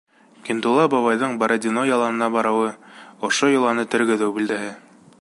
Ғиндулла бабайҙың Бородино яланына барыуы — ошо йоланы тергеҙеү билдәһе.